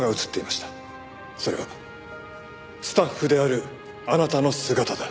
それはスタッフであるあなたの姿だ。